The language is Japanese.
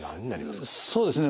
そうですね